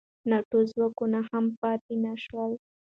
ناټو ځواکونه هم پاتې نه شول.